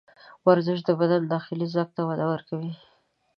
ورزش د بدن داخلي ځواک ته وده ورکوي.